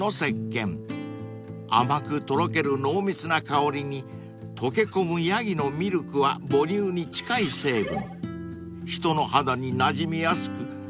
［甘くとろける濃密な香りに溶け込むヤギのミルクは母乳に近い成分］